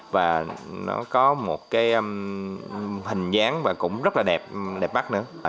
và nó có một hình dáng và cũng rất là đẹp đẹp bắt nữa